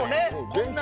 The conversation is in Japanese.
こんな。